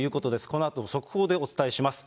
このあと速報でお伝えします。